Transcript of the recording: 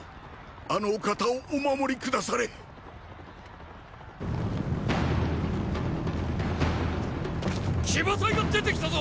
あのお方をお守り下され騎馬隊が出て来たぞ！